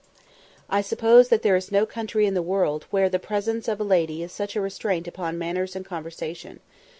] I suppose that there is no country in the world where the presence of a lady is such a restraint upon manners and conversation.